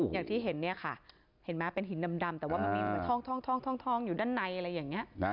อย่างที่เห็นเนี่ยค่ะเห็นไหมเป็นหินดำแต่ว่ามันมีเหมือนท่องอยู่ด้านในอะไรอย่างนี้